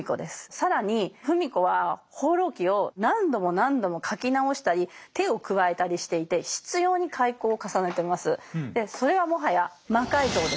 更に芙美子は「放浪記」を何度も何度も書き直したり手を加えたりしていてそれはもはや「魔改造」です。